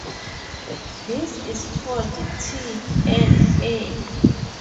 This is called T-N-A.